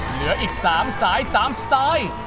เหลืออีก๓สาย๓สไตล์